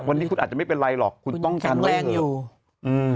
วันนี้คุณอาจจะไม่เป็นไรหรอกคุณต้องการไว้คุณยังแข็งแรงอยู่อืม